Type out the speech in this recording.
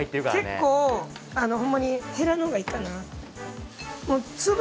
結構ホンマにヘラの方がいいかな。